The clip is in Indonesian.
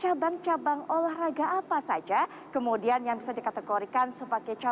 langsung saja ini dia